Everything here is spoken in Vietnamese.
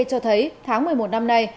cho thấy tháng một mươi một năm nay